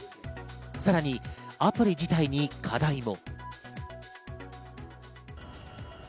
さらにアプリ自体に課題も。